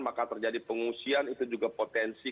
maka terjadi pengungsian itu juga potensi